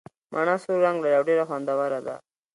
مڼه سور رنګ لري او ډېره خوندوره ده.